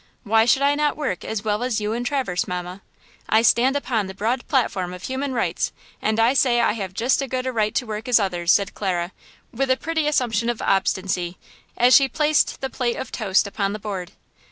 Why should not I work as well as you and Traverse, mamma? I stand upon the broad platform of human rights, and I say I have just as good a right to work as others!" said Clara, with a pretty assumption of obstinacy, as she placed the plate of toast upon the board.